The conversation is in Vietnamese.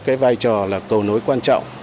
cái vai trò là cầu nối quan trọng